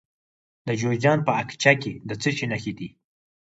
د جوزجان په اقچه کې د څه شي نښې دي؟